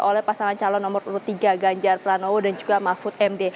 oleh pasangan calon nomor urut tiga ganjar pranowo dan juga mahfud md